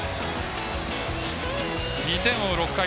２点を追う６回。